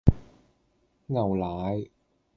牛奶